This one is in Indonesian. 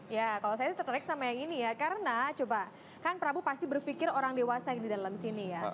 ya kalau saya tertarik sama yang ini ya karena coba kan prabu pasti berpikir orang dewasa di dalam sini ya